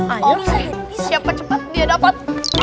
ayo siapa cepat dia dapat